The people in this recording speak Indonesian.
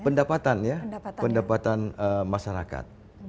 pendapatan ya pendapatan masyarakat